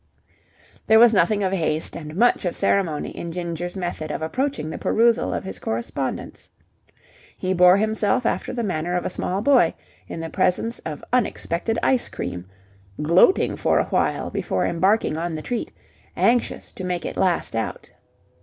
There was nothing of haste and much of ceremony in Ginger's method of approaching the perusal of his correspondence. He bore himself after the manner of a small boy in the presence of unexpected ice cream, gloating for awhile before embarking on the treat, anxious to make it last out.